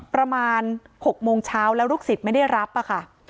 ประมาณ๖โมงเช้าแล้วลูกศิษย์ไม่ได้รับอะค่ะ